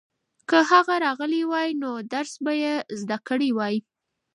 که هغه راغلی وای نو درس به یې زده کړی وای.